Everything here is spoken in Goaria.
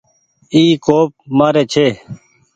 اي ڪوپ مآري ڇي۔